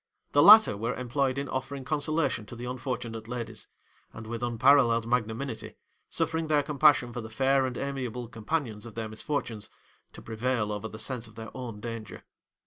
The latter were employed in offering consolation to the unfortunate ladies; and, with unparalleled magnanimity, suffering their compassion for the fair and amiable companions of their misfortunes to prevail over the sense of their own danger.